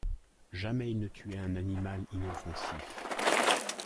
Jamais il ne tuait un animal inoffensif.